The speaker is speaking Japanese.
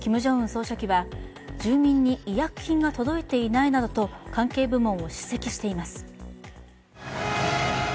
総書記は住民に医薬品が届いていないなどと関係部門を叱責しています。